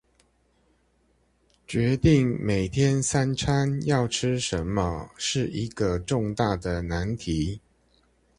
決定每天三餐要吃什麼是一個重大的難題